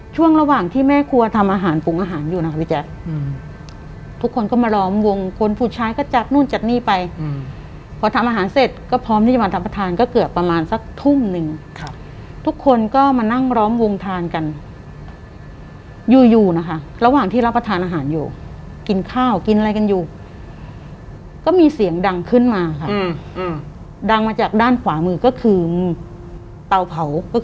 พอทำอาหารปรุงอาหารอยู่นะคะพี่แจ๊บอืมทุกคนก็มาล้อมวงคนผู้ชายก็จากนู่นจากนี่ไปอืมพอทำอาหารเสร็จก็พร้อมที่จะมาทำประทานก็เกือบประมาณสักทุ่มหนึ่งครับทุกคนก็มานั่งล้อมวงทานกันอยู่อยู่นะคะระหว่างที่เราประทานอาหารอยู่กินข้าวกินอะไรกันอยู่ก็มีเสียงดังขึ้นมาค่ะอืมอืมดังมาจาก